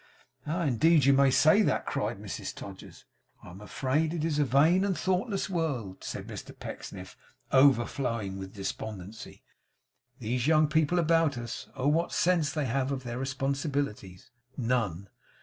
'Ah! Indeed you may say that!' cried Mrs Todgers. 'I'm afraid it is a vain and thoughtless world,' said Mr Pecksniff, overflowing with despondency. 'These young people about us. Oh! what sense have they of their responsibilities? None.